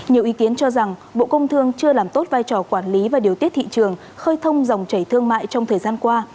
nhiều ý kiến cho rằng bộ công thương chưa làm tốt vai trò quản lý và điều tiết thị trường khơi thông dòng chảy thương mại trong thời gian qua